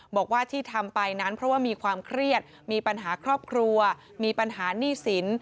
บอกว่าที่ทำไปนั้นเพราะว่ามีความเครียดมีปัญหาครอบครัวมีปัญหาหนี้สิน